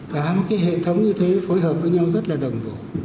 cả một cái hệ thống như thế phối hợp với nhau rất là đồng vụ